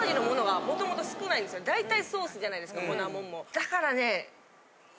だからね。